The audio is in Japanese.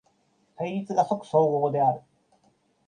対立が即綜合である。